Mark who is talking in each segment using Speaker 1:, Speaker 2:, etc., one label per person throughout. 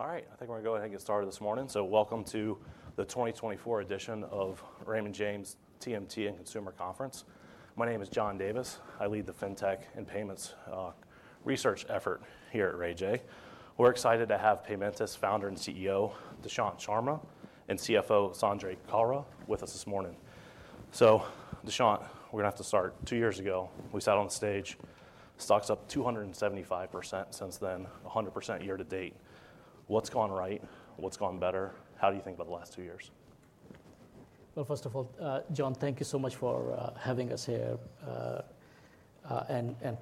Speaker 1: All right, I think we're going to go ahead and get started this morning, so welcome to the 2024 edition of Raymond James TMT and Consumer Conference. My name is John Davis. I lead the FinTech and Payments Research effort here at RayJay. We're excited to have Paymentus founder and CEO, Dushyant Sharma, and CFO, Sanjay Kalra, with us this morning, so Dushyant, we're going to have to start. Two years ago, we sat on the stage. Stock's up 275% since then, 100% year to date. What's gone right? What's gone better? How do you think about the last two years?
Speaker 2: First of all, John, thank you so much for having us here.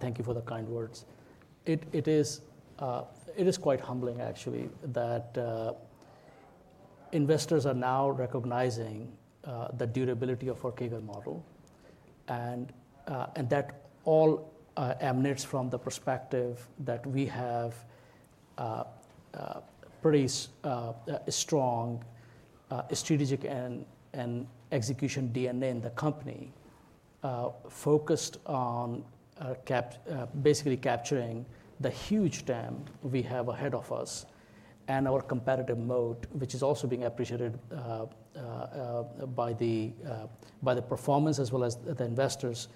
Speaker 2: Thank you for the kind words. It is quite humbling, actually, that investors are now recognizing the durability of our Cagle model. That all emanates from the perspective that we have a pretty strong strategic and execution DNA in the company, focused on basically capturing the huge TAM we have ahead of us and our competitive moat, which is also being appreciated by the performance as well as the investors,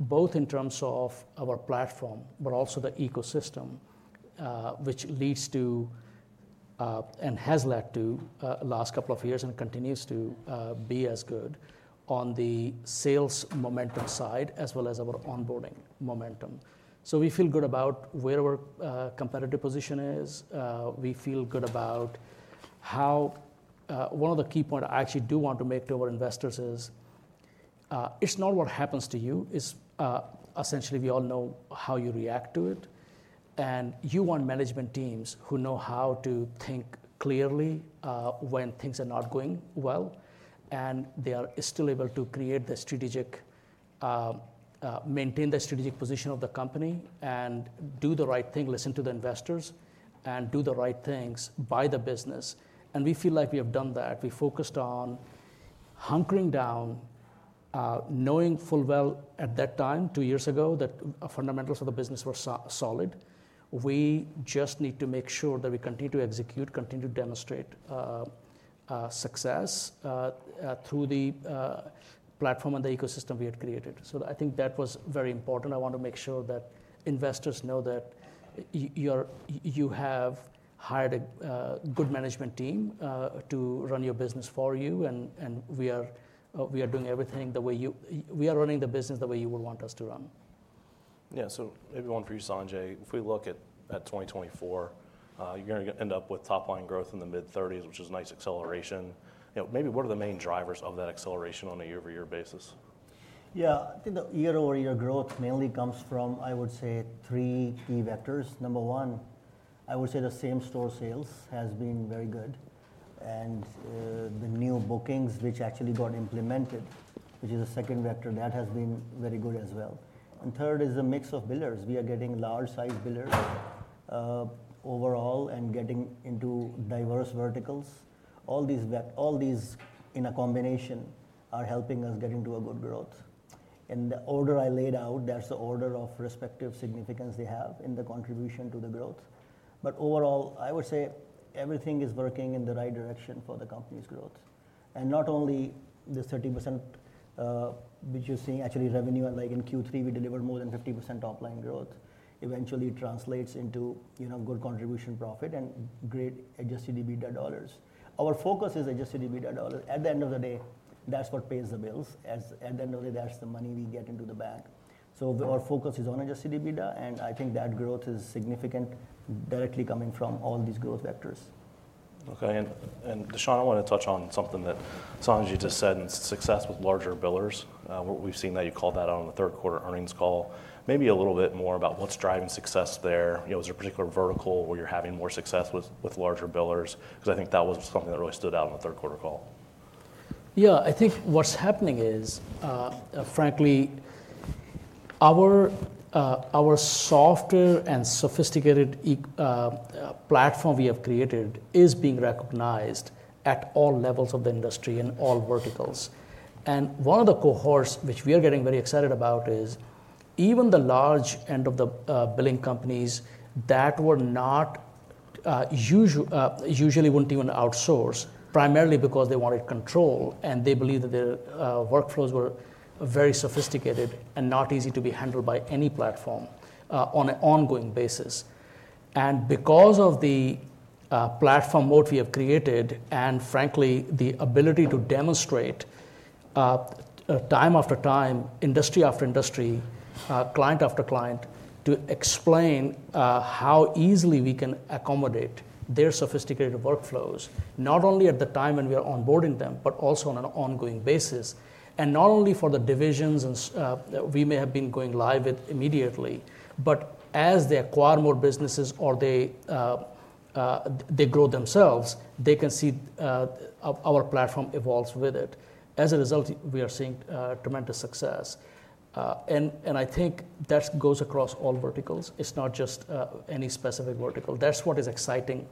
Speaker 2: both in terms of our platform, but also the ecosystem, which leads to and has led to the last couple of years and continues to be as good on the sales momentum side as well as our onboarding momentum. We feel good about where our competitive position is. We feel good about how one of the key points I actually do want to make to our investors is it's not what happens to you. Essentially, we all know how you react to it, and you want management teams who know how to think clearly when things are not going well, and they are still able to create the strategic, maintain the strategic position of the company, and do the right thing, listen to the investors, and do the right things, buy the business, and we feel like we have done that. We focused on hunkering down, knowing full well at that time, two years ago, that fundamentals of the business were solid. We just need to make sure that we continue to execute, continue to demonstrate success through the platform and the ecosystem we had created, so I think that was very important. I want to make sure that investors know that you have hired a good management team to run your business for you, and we are doing everything the way we are running the business the way you would want us to run.
Speaker 1: Yeah, so maybe one for you, Sanjay. If we look at 2024, you're going to end up with top-line growth in the mid-30s, which is a nice acceleration. Maybe what are the main drivers of that acceleration on a year-over-year basis?
Speaker 3: Yeah, I think the year-over-year growth mainly comes from, I would say, three key vectors. Number one, I would say the same-store sales has been very good, and the new bookings, which actually got implemented, which is a second vector, that has been very good as well, and third is a mix of billers. We are getting large-sized billers overall and getting into diverse verticals. All these, in a combination, are helping us get into a good growth. In the order I laid out, there's an order of respective significance they have in the contribution to the growth, but overall, I would say everything is working in the right direction for the company's growth, and not only the 30% which you're seeing, actually revenue, like in Q3, we delivered more than 50% top-line growth. Eventually, it translates into good contribution profit and great Adjusted EBITDA dollars. Our focus is Adjusted EBITDA dollars. At the end of the day, that's what pays the bills. At the end of the day, that's the money we get into the bank. So our focus is on Adjusted EBITDA. And I think that growth is significant, directly coming from all these growth vectors.
Speaker 1: Okay. And Dushyant, I want to touch on something that Sanjay just said, and success with larger billers. We've seen that you called that out on the third-quarter earnings call. Maybe a little bit more about what's driving success there. Is there a particular vertical where you're having more success with larger billers? Because I think that was something that really stood out on the third-quarter call.
Speaker 2: Yeah, I think what's happening is, frankly, our super sophisticated platform we have created is being recognized at all levels of the industry in all verticals. And one of the cohorts which we are getting very excited about is even the large end of the billing companies that usually wouldn't even outsource, primarily because they wanted control. And they believe that their workflows were very sophisticated and not easy to be handled by any platform on an ongoing basis. And because of the platform moat we have created, and frankly, the ability to demonstrate time after time, industry after industry, client after client, to explain how easily we can accommodate their sophisticated workflows, not only at the time when we are onboarding them, but also on an ongoing basis. And not only for the divisions we may have been going live with immediately, but as they acquire more businesses or they grow themselves, they can see our platform evolves with it. As a result, we are seeing tremendous success. And I think that goes across all verticals. It's not just any specific vertical. That's what is exciting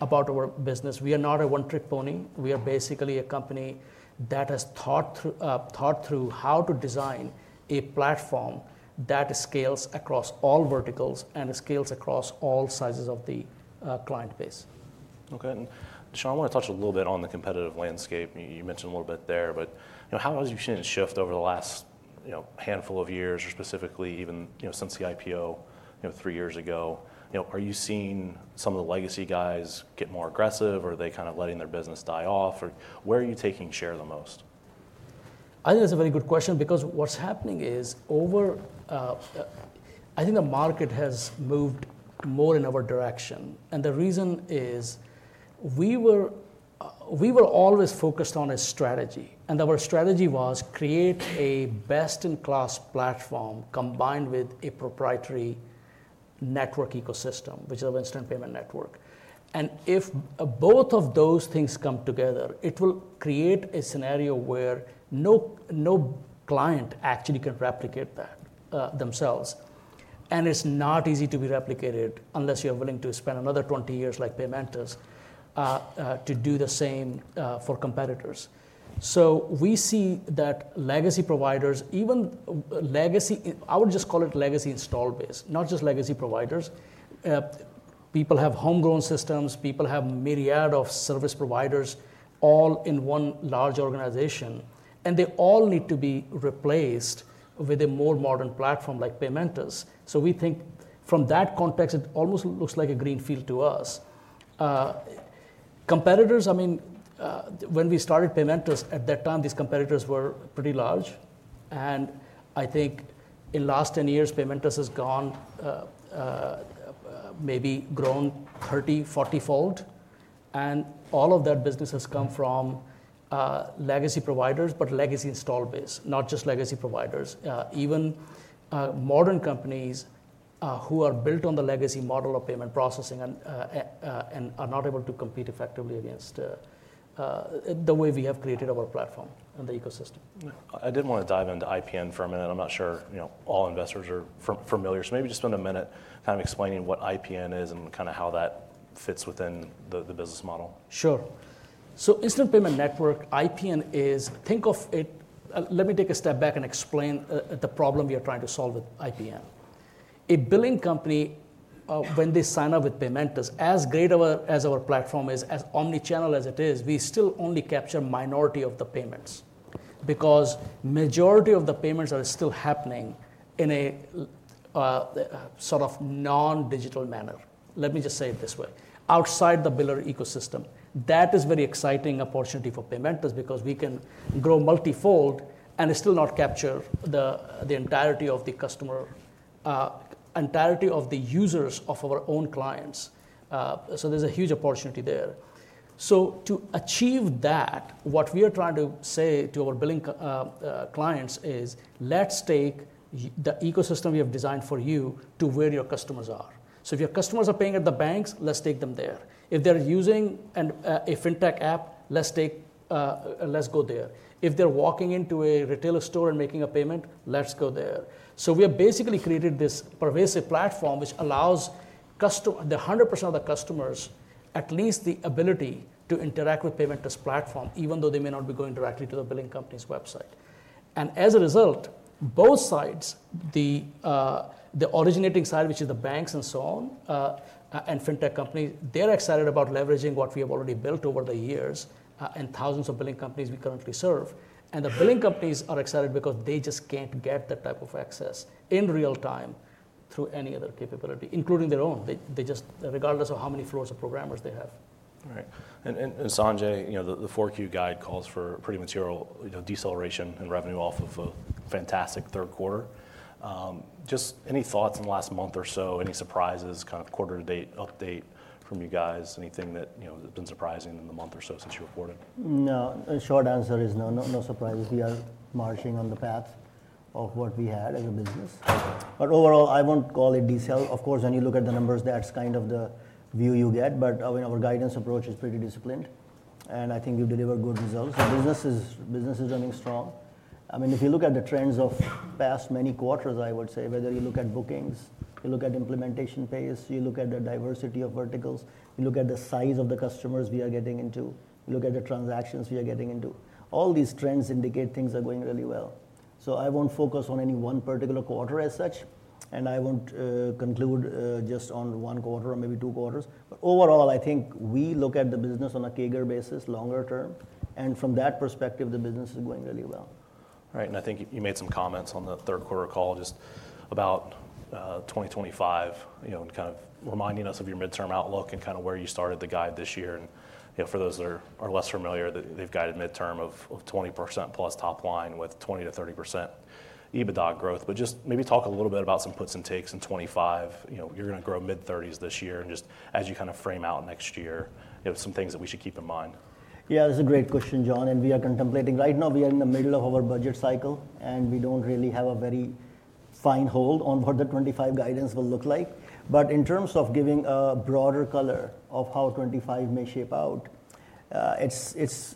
Speaker 2: about our business. We are not a one-trick pony. We are basically a company that has thought through how to design a platform that scales across all verticals and scales across all sizes of the client base.
Speaker 1: Okay. And Dushyant, I want to touch a little bit on the competitive landscape. You mentioned a little bit there. But how has you seen it shift over the last handful of years, or specifically even since the IPO three years ago? Are you seeing some of the legacy guys get more aggressive, or are they kind of letting their business die off? Where are you taking share the most?
Speaker 2: I think that's a very good question. Because what's happening is over I think the market has moved more in our direction. And the reason is we were always focused on a strategy. And our strategy was create a best-in-class platform combined with a proprietary network ecosystem, which is our Instant Payment Network. And if both of those things come together, it will create a scenario where no client actually can replicate that themselves. And it's not easy to be replicated unless you're willing to spend another 20 years like Paymentus to do the same for competitors. So we see that legacy providers, even legacy, I would just call it legacy install base, not just legacy providers. People have homegrown systems. People have a myriad of service providers all in one large organization. And they all need to be replaced with a more modern platform like Paymentus. So we think from that context, it almost looks like a greenfield to us. Competitors, I mean, when we started Paymentus at that time, these competitors were pretty large. And I think in the last 10 years, Paymentus has grown maybe 30-40-fold. And all of that business has come from legacy providers, but legacy install base, not just legacy providers. Even modern companies who are built on the legacy model of payment processing and are not able to compete effectively against the way we have created our platform and the ecosystem.
Speaker 1: I did want to dive into IPN for a minute. I'm not sure all investors are familiar. So maybe just spend a minute kind of explaining what IPN is and kind of how that fits within the business model.
Speaker 2: Sure. So Instant Payment Network, IPN is, think of it, let me take a step back and explain the problem we are trying to solve with IPN. A billing company, when they sign up with Paymentus, as great as our platform is, as omnichannel as it is, we still only capture a minority of the payments. Because the majority of the payments are still happening in a sort of non-digital manner. Let me just say it this way. Outside the biller ecosystem, that is a very exciting opportunity for Paymentus because we can grow multi-fold and still not capture the entirety of the customer, entirety of the users of our own clients. So there's a huge opportunity there. So to achieve that, what we are trying to say to our billing clients is, let's take the ecosystem we have designed for you to where your customers are. So if your customers are paying at the banks, let's take them there. If they're using a FinTech app, let's go there. If they're walking into a retailer store and making a payment, let's go there. So we have basically created this pervasive platform, which allows the 100% of the customers at least the ability to interact with Paymentus' platform, even though they may not be going directly to the billing company's website. And as a result, both sides, the originating side, which is the banks and so on, and FinTech companies, they're excited about leveraging what we have already built over the years and thousands of billing companies we currently serve. And the billing companies are excited because they just can't get that type of access in real time through any other capability, including their own. Regardless of how many floors of programmers they have.
Speaker 1: Right. And Sanjay, the 4Q guide calls for pretty material deceleration in revenue off of a fantastic third quarter. Just any thoughts in the last month or so? Any surprises, kind of quarter-to-date update from you guys? Anything that has been surprising in the month or so since you reported?
Speaker 3: No. The short answer is no, no surprises. We are marching on the path of what we had as a business, but overall, I won't call it decel. Of course, when you look at the numbers, that's kind of the view you get, but our guidance approach is pretty disciplined, and I think we've delivered good results. The business is running strong. I mean, if you look at the trends of past many quarters, I would say, whether you look at bookings, you look at implementation pace, you look at the diversity of verticals, you look at the size of the customers we are getting into, you look at the transactions we are getting into, all these trends indicate things are going really well, so I won't focus on any one particular quarter as such, and I won't conclude just on one quarter or maybe two quarters. But overall, I think we look at the business on a CAGR basis longer term. And from that perspective, the business is going really well.
Speaker 1: Right. And I think you made some comments on the third-quarter call just about 2025, kind of reminding us of your midterm outlook and kind of where you started the guide this year. And for those that are less familiar, they've guided midterm of 20% plus top line with 20% to 30% EBITDA growth. But just maybe talk a little bit about some puts and takes in 25. You're going to grow mid-30s this year. And just as you kind of frame out next year, some things that we should keep in mind.
Speaker 3: Yeah, that's a great question, John. And we are contemplating right now. We are in the middle of our budget cycle. And we don't really have a very fine hold on what the 2025 guidance will look like. But in terms of giving a broader color of how 2025 may shape out, it's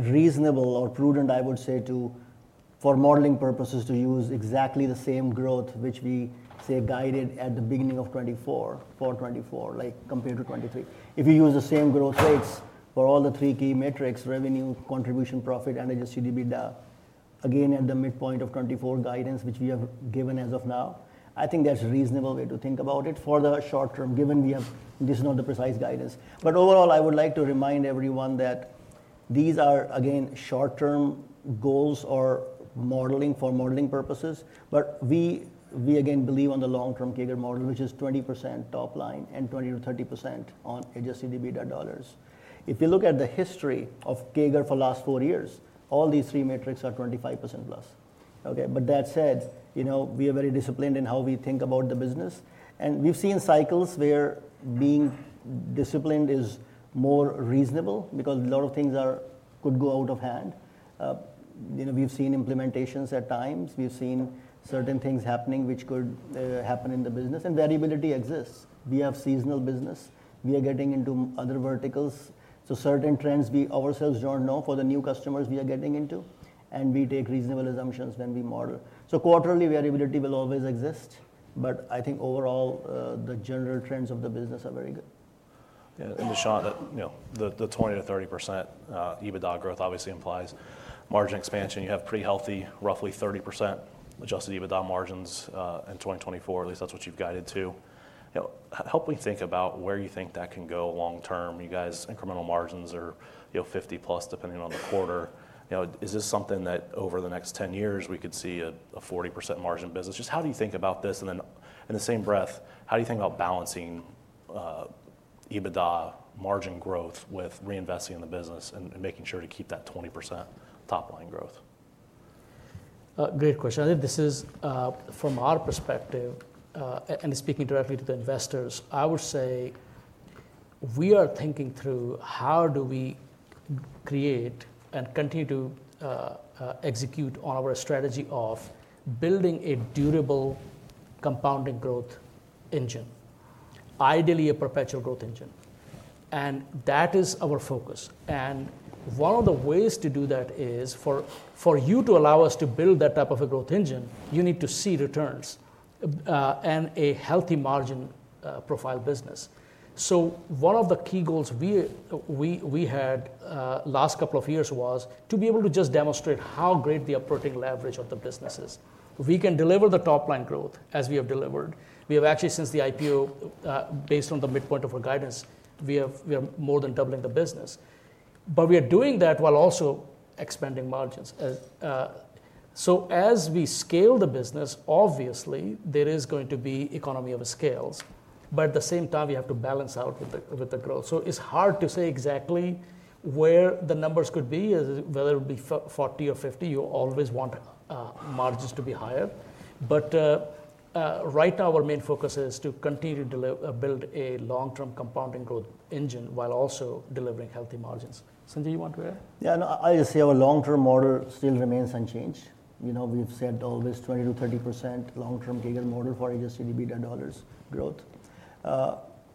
Speaker 3: reasonable or prudent, I would say, for modeling purposes to use exactly the same growth, which we say guided at the beginning of 2024 for 2024, compared to 2023. If you use the same growth rates for all the three key metrics, revenue, contribution, profit, and Adjusted EBITDA, again, at the midpoint of 2024 guidance, which we have given as of now, I think that's a reasonable way to think about it for the short term, given we have this is not the precise guidance. But overall, I would like to remind everyone that these are, again, short-term goals or modeling for modeling purposes. But we, again, believe on the long-term CAGR model, which is 20% top line and 20%-30% on Adjusted EBITDA dollars. If you look at the history of CAGR for the last four years, all these three metrics are 25% plus. But that said, we are very disciplined in how we think about the business. And we've seen cycles where being disciplined is more reasonable because a lot of things could go out of hand. We've seen implementations at times. We've seen certain things happening, which could happen in the business. And variability exists. We have seasonal business. We are getting into other verticals. So certain trends we ourselves don't know for the new customers we are getting into. And we take reasonable assumptions when we model. So quarterly, variability will always exist. But I think overall, the general trends of the business are very good.
Speaker 1: Yeah. And Dushyant, the 20%-30% EBITDA growth obviously implies margin expansion. You have pretty healthy, roughly 30% adjusted EBITDA margins in 2024. At least that's what you've guided to. Help me think about where you think that can go long term. You guys, incremental margins are 50% plus, depending on the quarter. Is this something that over the next 10 years, we could see a 40% margin business? Just how do you think about this? And then in the same breath, how do you think about balancing EBITDA margin growth with reinvesting in the business and making sure to keep that 20% top line growth?
Speaker 2: Great question. I think this is from our perspective, and speaking directly to the investors, I would say we are thinking through how do we create and continue to execute on our strategy of building a durable compounding growth engine, ideally a perpetual growth engine, and that is our focus, and one of the ways to do that is for you to allow us to build that type of a growth engine, you need to see returns and a healthy margin profile business, so one of the key goals we had last couple of years was to be able to just demonstrate how great the operating leverage of the business is. We can deliver the top line growth as we have delivered. We have actually, since the IPO, based on the midpoint of our guidance, we are more than doubling the business. But we are doing that while also expanding margins. So as we scale the business, obviously, there is going to be economies of scale. But at the same time, we have to balance out with the growth. So it's hard to say exactly where the numbers could be, whether it would be 40% or 50%. You always want margins to be higher. But right now, our main focus is to continue to build a long-term compounding growth engine while also delivering healthy margins. Sanjay, you want to add?
Speaker 3: Yeah. I would say our long-term model still remains unchanged. We've said always 20%-30% long-term Cagle model for Adjusted EBITDA dollars growth,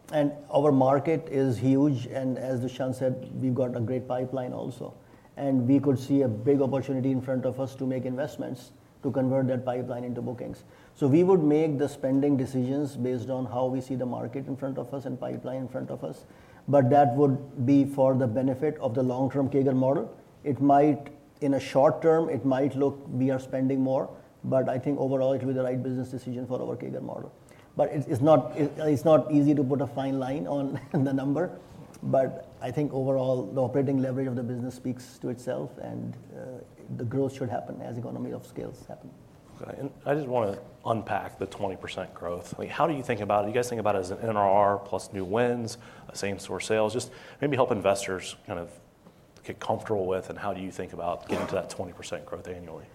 Speaker 3: and our market is huge, and as Dushyant said, we've got a great pipeline also, and we could see a big opportunity in front of us to make investments to convert that pipeline into bookings. So we would make the spending decisions based on how we see the market in front of us and pipeline in front of us, but that would be for the benefit of the long-term Cagle model. In the short term, it might look we are spending more, but I think overall, it will be the right business decision for our Cagle model, but it's not easy to put a fine line on the number, but I think overall, the operating leverage of the business speaks to itself. And the growth should happen as economies of scale happen.
Speaker 1: And I just want to unpack the 20% growth. How do you think about it? Do you guys think about it as an NRR plus new wins, same-store sales? Just maybe help investors kind of get comfortable with, and how do you think about getting to that 20% growth annually?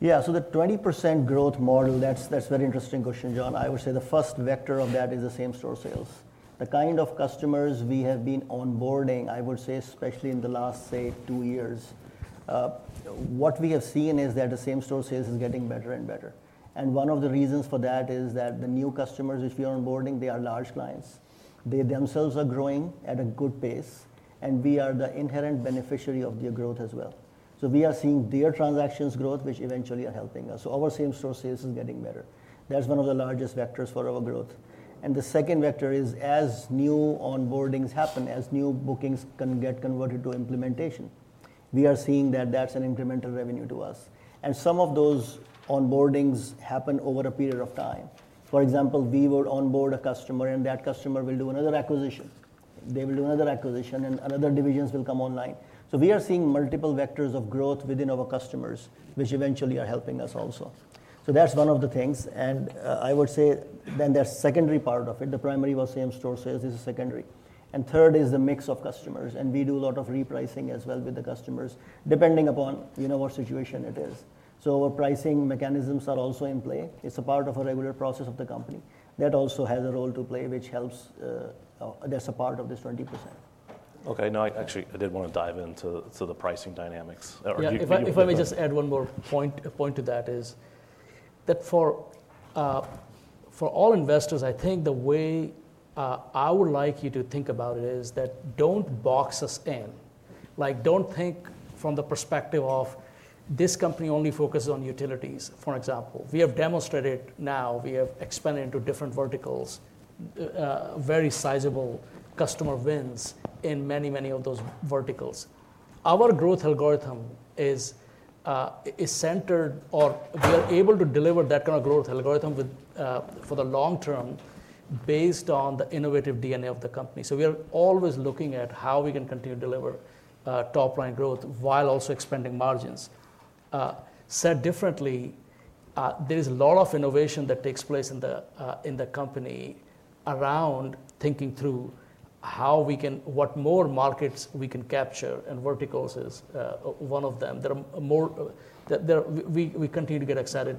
Speaker 3: Yeah. So the 20% growth model, that's a very interesting question, John. I would say the first vector of that is the same-store sales. The kind of customers we have been onboarding, I would say, especially in the last, say, two years, what we have seen is that the same-store sales is getting better and better. And one of the reasons for that is that the new customers which we are onboarding, they are large clients. They themselves are growing at a good pace. And we are the inherent beneficiary of their growth as well. So we are seeing their transactions growth, which eventually are helping us. So our same-store sales is getting better. That's one of the largest vectors for our growth. And the second vector is as new onboardings happen, as new bookings can get converted to implementation, we are seeing that that's an incremental revenue to us. Some of those onboardings happen over a period of time. For example, we would onboard a customer, and that customer will do another acquisition. They will do another acquisition, and another divisions will come online. So we are seeing multiple vectors of growth within our customers, which eventually are helping us also. So that's one of the things. And I would say then there's a secondary part of it. The primary was same-store sales is a secondary. And third is the mix of customers. And we do a lot of repricing as well with the customers, depending upon what situation it is. So our pricing mechanisms are also in play. It's a part of a regular process of the company. That also has a role to play, which helps. That's a part of this 20%.
Speaker 1: OK. Now, actually, I did want to dive into the pricing dynamics.
Speaker 2: If I may just add one more point to that. That is, for all investors, I think the way I would like you to think about it is that don't box us in. Don't think from the perspective of this company only focuses on utilities, for example. We have demonstrated. Now we have expanded into different verticals, very sizable customer wins in many, many of those verticals. Our growth algorithm is centered, or we are able to deliver that kind of growth algorithm for the long term based on the innovative DNA of the company, so we are always looking at how we can continue to deliver top line growth while also expanding margins. Said differently, there is a lot of innovation that takes place in the company around thinking through what more markets we can capture, and verticals is one of them. We continue to get excited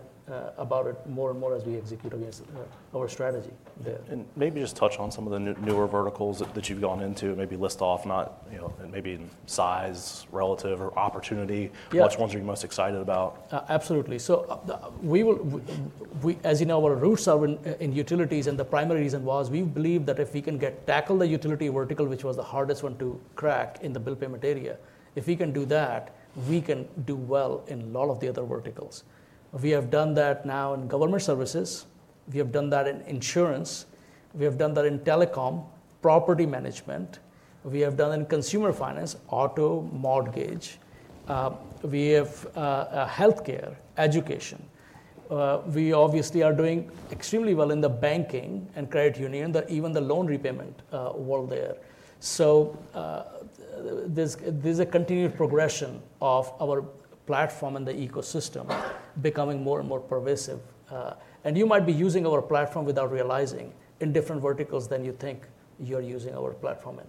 Speaker 2: about it more and more as we execute our strategy there.
Speaker 1: And maybe just touch on some of the newer verticals that you've gone into, maybe list off, maybe size relative or opportunity. Which ones are you most excited about?
Speaker 2: Absolutely. So as you know, our roots are in utilities. And the primary reason was we believe that if we can tackle the utility vertical, which was the hardest one to crack in the bill payment area, if we can do that, we can do well in a lot of the other verticals. We have done that now in government services. We have done that in insurance. We have done that in telecom, property management. We have done it in consumer finance, auto, mortgage. We have health care, education. We obviously are doing extremely well in the banking and credit union, even the loan repayment world there. So there's a continued progression of our platform and the ecosystem becoming more and more pervasive. And you might be using our platform without realizing in different verticals than you think you're using our platform in.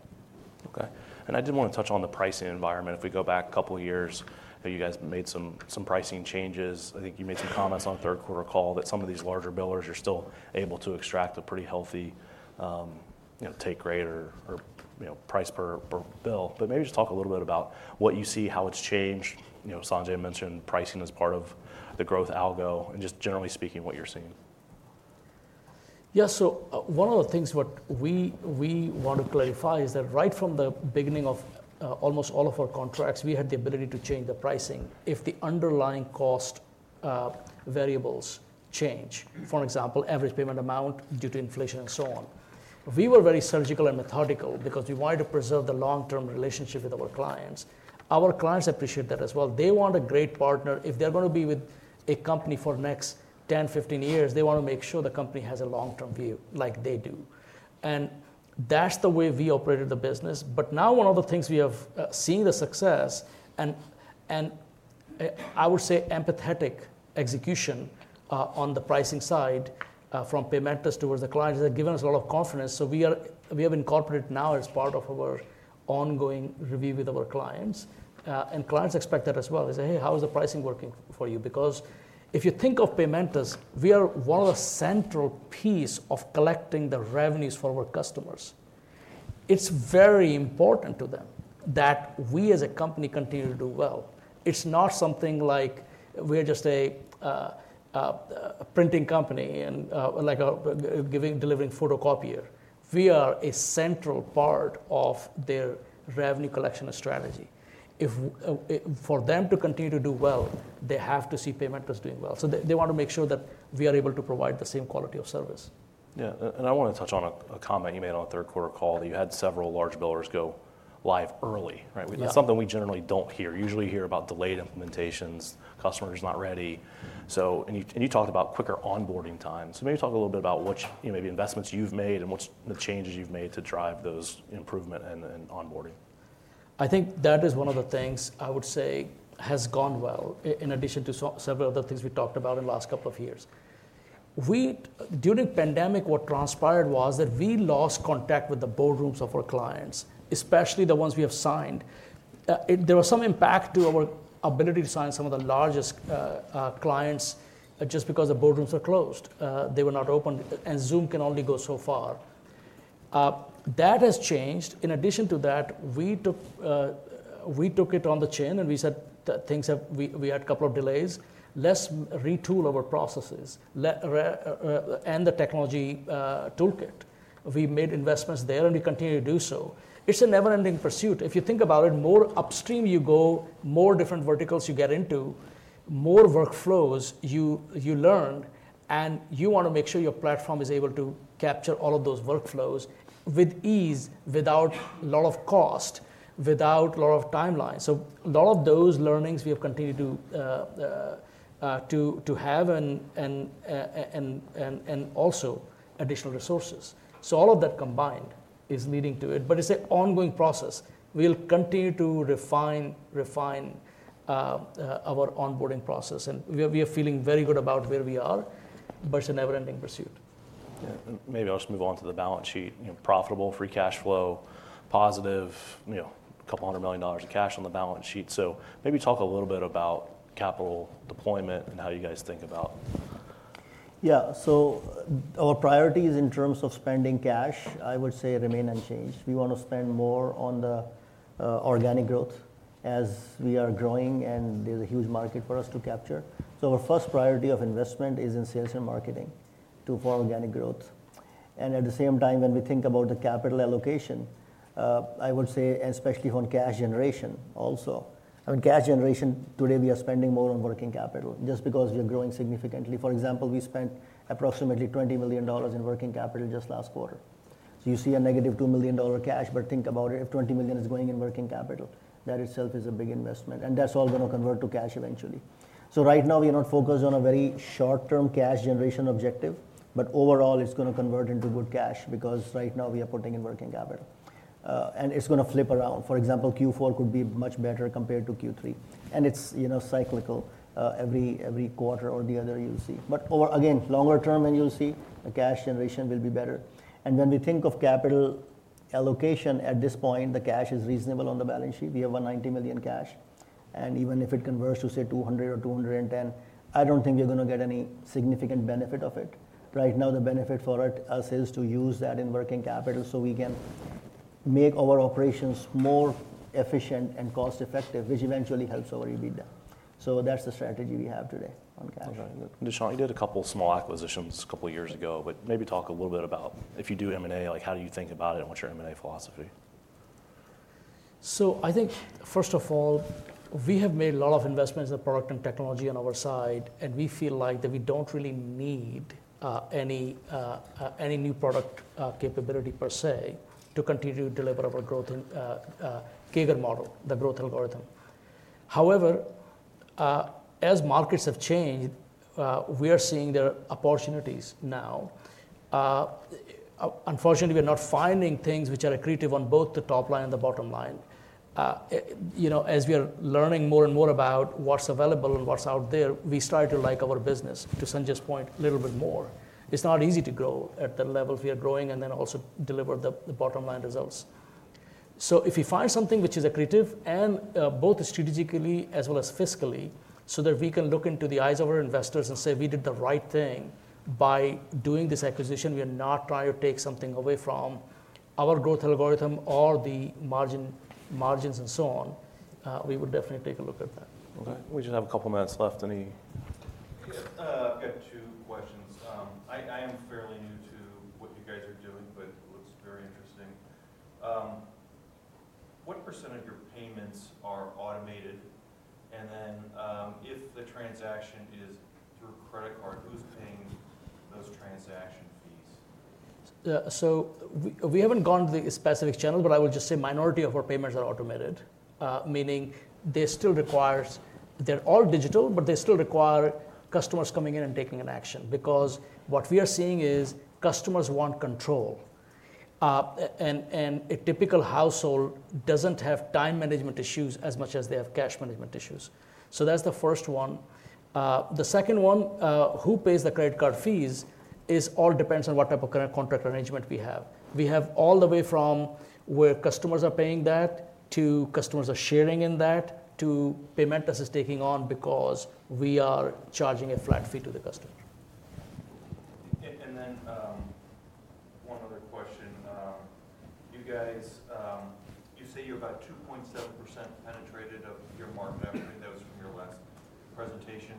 Speaker 1: OK. And I did want to touch on the pricing environment. If we go back a couple of years, you guys made some pricing changes. I think you made some comments on the third-quarter call that some of these larger billers are still able to extract a pretty healthy take rate or price per bill. But maybe just talk a little bit about what you see, how it's changed. Sanjay mentioned pricing as part of the growth algo. And just generally speaking, what you're seeing.
Speaker 2: Yeah. So one of the things what we want to clarify is that right from the beginning of almost all of our contracts, we had the ability to change the pricing if the underlying cost variables change, for example, average payment amount due to inflation and so on. We were very surgical and methodical because we wanted to preserve the long-term relationship with our clients. Our clients appreciate that as well. They want a great partner. If they're going to be with a company for the next 10, 15 years, they want to make sure the company has a long-term view like they do. And that's the way we operated the business. But now one of the things we have seen the success, and I would say empathetic execution on the pricing side from Paymentus towards the clients has given us a lot of confidence. So we have incorporated now as part of our ongoing review with our clients. And clients expect that as well. They say, hey, how is the pricing working for you? Because if you think of Paymentus, we are one of the central pieces of collecting the revenues for our customers. It's very important to them that we as a company continue to do well. It's not something like we're just a printing company and delivering photocopier. We are a central part of their revenue collection strategy. For them to continue to do well, they have to see Paymentus doing well. So they want to make sure that we are able to provide the same quality of service.
Speaker 1: Yeah, and I want to touch on a comment you made on the third-quarter call that you had several large billers go live early. That's something we generally don't hear. Usually, you hear about delayed implementations, customers not ready, and you talked about quicker onboarding times, so maybe talk a little bit about maybe investments you've made and what's the changes you've made to drive those improvement and onboarding.
Speaker 2: I think that is one of the things I would say has gone well in addition to several other things we talked about in the last couple of years. During the pandemic, what transpired was that we lost contact with the boardrooms of our clients, especially the ones we have signed. There was some impact to our ability to sign some of the largest clients just because the boardrooms are closed. They were not open, and Zoom can only go so far. That has changed. In addition to that, we took it on the chin, and we said we had a couple of delays. Let's retool our processes and the technology toolkit. We made investments there, and we continue to do so. It's a never-ending pursuit. If you think about it, the more upstream you go, the more different verticals you get into, the more workflows you learn. You want to make sure your platform is able to capture all of those workflows with ease, without a lot of cost, without a lot of timelines. A lot of those learnings we have continued to have and also additional resources. All of that combined is leading to it. It's an ongoing process. We'll continue to refine our onboarding process. We are feeling very good about where we are. It's a never-ending pursuit.
Speaker 1: Yeah. Maybe I'll just move on to the balance sheet. Profitable, free cash flow positive, $200 million of cash on the balance sheet. So maybe talk a little bit about capital deployment and how you guys think about.
Speaker 2: Yeah. So our priorities in terms of spending cash, I would say, remain unchanged. We want to spend more on the organic growth as we are growing. And there's a huge market for us to capture. So our first priority of investment is in sales and marketing for organic growth. And at the same time, when we think about the capital allocation, I would say, especially on cash generation also. On cash generation, today, we are spending more on working capital just because we are growing significantly. For example, we spent approximately $20 million in working capital just last quarter. So you see a negative $2 million cash. But think about it. If $20 million is going in working capital, that itself is a big investment. And that's all going to convert to cash eventually. So right now, we are not focused on a very short-term cash generation objective. But overall, it's going to convert into good cash because right now, we are putting in working capital. And it's going to flip around. For example, Q4 could be much better compared to Q3. And it's cyclical. Every quarter or the other, you'll see. But again, longer term, and you'll see the cash generation will be better. And when we think of capital allocation at this point, the cash is reasonable on the balance sheet. We have $190 million cash. And even if it converts to, say, $200 million or $210 million, I don't think we're going to get any significant benefit of it. Right now, the benefit for us is to use that in working capital so we can make our operations more efficient and cost-effective, which eventually helps our EBITDA. So that's the strategy we have today on cash.
Speaker 1: OK. Dushyant, you did a couple of small acquisitions a couple of years ago, but maybe talk a little bit about if you do M&A, how do you think about it and what's your M&A philosophy?
Speaker 2: I think, first of all, we have made a lot of investments in the product and technology on our side. We feel like that we don't really need any new product capability per se to continue to deliver our growth CAGR model, the growth algorithm. However, as markets have changed, we are seeing there are opportunities now. Unfortunately, we are not finding things which are accretive on both the top line and the bottom line. As we are learning more and more about what's available and what's out there, we start to like our business, to Sanjay's point, a little bit more. It's not easy to grow at the levels we are growing and then also deliver the bottom line results. So if we find something which is accretive both strategically as well as fiscally so that we can look into the eyes of our investors and say, we did the right thing by doing this acquisition, we are not trying to take something away from our growth algorithm or the margins and so on, we would definitely take a look at that.
Speaker 1: OK. We just have a couple of minutes left. Any?
Speaker 3: I've got two questions. I am fairly new to what you guys are doing, but it looks very interesting. What % of your payments are automated? And then if the transaction is through credit card, who's paying those transaction fees?
Speaker 2: So we haven't gone to the specific channel. But I would just say the minority of our payments are automated, meaning they still require, they're all digital, but they still require customers coming in and taking an action. Because what we are seeing is customers want control, and a typical household doesn't have time management issues as much as they have cash management issues. So that's the first one. The second one, who pays the credit card fees, all depends on what type of contract arrangement we have. We have all the way from where customers are paying that to customers are sharing in that to Paymentus is taking on because we are charging a flat fee to the customer.
Speaker 3: And then one other question. You say you're about 2.7% penetrated of your market. I believe that was from your last presentation.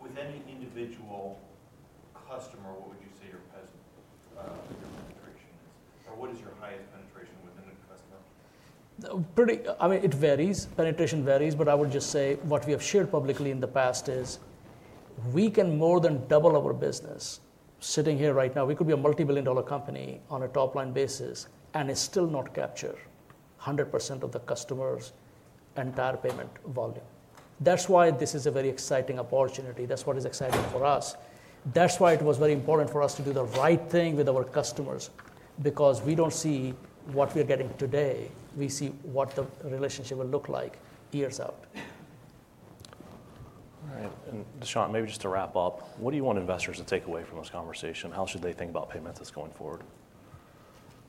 Speaker 3: With any individual customer, what would you say your penetration is? Or what is your highest penetration within the customer?
Speaker 2: I mean, it varies. Penetration varies. But I would just say what we have shared publicly in the past is we can more than double our business. Sitting here right now, we could be a $multi-billion-dollar company on a top line basis and still not capture 100% of the customer's entire payment volume. That's why this is a very exciting opportunity. That's what is exciting for us. That's why it was very important for us to do the right thing with our customers. Because we don't see what we are getting today. We see what the relationship will look like years out.
Speaker 1: All right, and Dushyant, maybe just to wrap up, what do you want investors to take away from this conversation? How should they think about Paymentus going forward?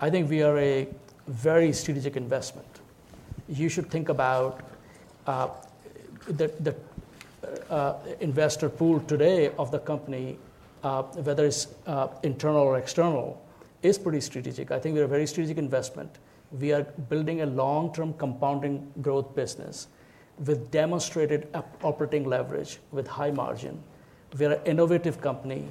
Speaker 2: I think we are a very strategic investment. You should think about the investor pool today of the company, whether it's internal or external, is pretty strategic. I think we are a very strategic investment. We are building a long-term compounding growth business with demonstrated operating leverage with high margin. We are an innovative company.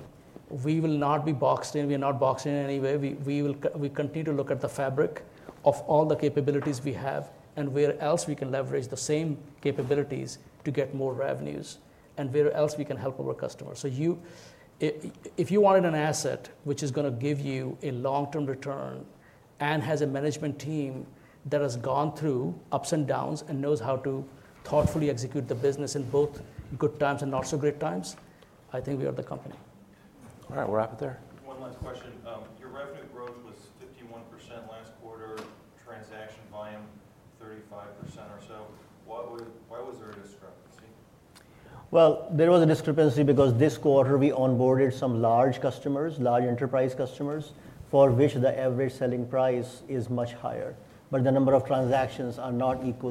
Speaker 2: We will not be boxed in. We are not boxed in in any way. We continue to look at the fabric of all the capabilities we have and where else we can leverage the same capabilities to get more revenues and where else we can help our customers. So if you wanted an asset which is going to give you a long-term return and has a management team that has gone through ups and downs and knows how to thoughtfully execute the business in both good times and not so great times, I think we are the company.
Speaker 1: All right. We'll wrap it there.
Speaker 3: One last question. Your revenue growth was 51% last quarter, transaction volume 35% or so. Why was there a discrepancy?
Speaker 2: There was a discrepancy because this quarter, we onboarded some large customers, large enterprise customers, for which the average selling price is much higher, but the number of transactions are not equal.